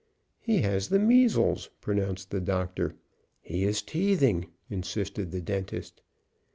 "He has the measles," pronounced the doctor. "He is teething," insisted the dentist.